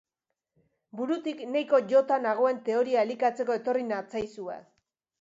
Burutik nahiko jota nagoen teoria elikatzeko etorri natzaizue.